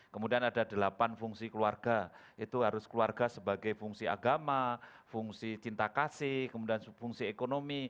kemudian ada delapan fungsi keluarga itu harus keluarga sebagai fungsi agama fungsi cinta kasih kemudian fungsi ekonomi